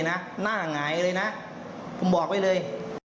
คือน่าเสียดายที่เราไม่ทันได้ฟังน้ำเสียง